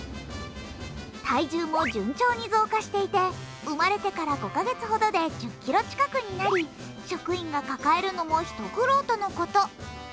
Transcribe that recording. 体重も順調に増加していて生まれてから５カ月ほどで１０ｋｇ近くになり、職員が抱えるのも一苦労とのこと。